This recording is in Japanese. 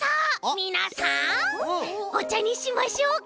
みなさんおちゃにしましょうか？